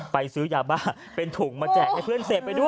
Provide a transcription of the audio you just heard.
ซื้อยาบ้าเป็นถุงมาแจกให้เพื่อนเสพไปด้วย